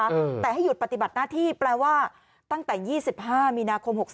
แต่ให้หยุดปฏิบัติหน้าที่แปลว่าตั้งแต่๒๕มีนาคม๖๓